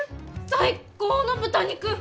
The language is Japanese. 最高の豚肉！